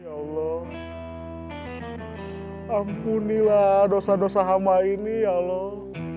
ya allah ampunilah dosa dosa hama ini ya allah